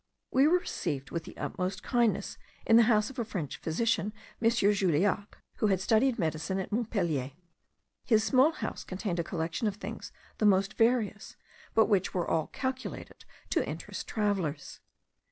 We were received with the utmost kindness in the house of a French physician, M. Juliac, who had studied medicine at Montpelier. His small house contained a collection of things the most various, but which were all calculated to interest travellers.